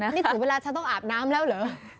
นี่ถึงเวลาฉันต้องอาบน้ำแล้วเหรอ